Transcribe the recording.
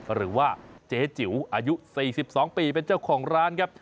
หรือว่าเจ๊จิ๋วอายุ๔๒ปีเป็นเจ้าของร้านครับ